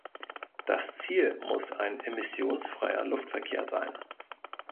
Das Ziel muss ein emissionsfreier Luftverkehr sein.